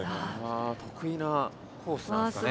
あ得意なコースなんですかね。